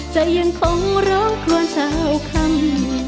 ใจยังของเราควรเท่าคำ